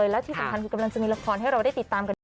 และที่สำคัญก็จะมีละครให้เราได้ติดตามกัน